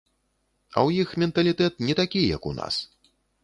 А ў іх менталітэт не такі, як у нас.